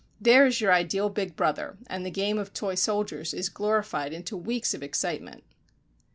There is your ideal big brother, and the game of toy soldiers is glorified into weeks of excitement!